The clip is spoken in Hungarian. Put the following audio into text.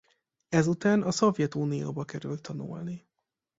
Ezután a Szovjetunióba került tanulni.